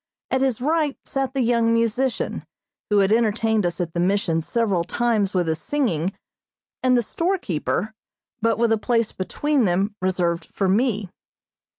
At his right sat the young musician, who had entertained us at the Mission several times with his singing, and the storekeeper, but with a place between them reserved for me.